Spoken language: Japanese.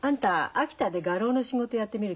秋田で画廊の仕事やってみる気ない？